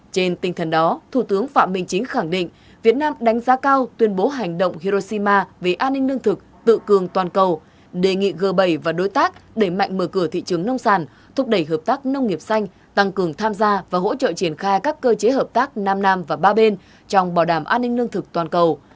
trên tinh thần đó thủ tướng phạm minh chính khẳng định việt nam đánh giá cao tuyên bố hành động hiroshima về an ninh lương thực tự cường toàn cầu đề nghị g bảy và đối tác đẩy mạnh mở cửa thị trường nông sản thúc đẩy hợp tác nông nghiệp xanh tăng cường tham gia và hỗ trợ triển khai các cơ chế hợp tác nam nam và ba bên trong bảo đảm an ninh lương thực toàn cầu